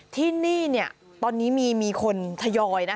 ที่นี่ตอนนี้มีคนทยอยนะ